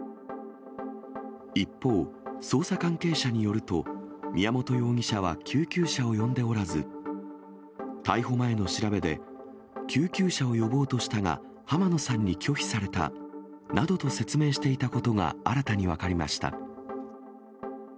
一方、捜査関係者によると、宮本容疑者は救急車を呼んでおらず、逮捕前の調べで、救急車を呼ぼうとしたが、浜野さんに拒否されたなどと説明していたことが新たに分かりました。